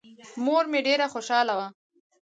مور مې ډېره خوشاله وه.